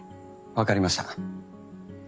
わかりました。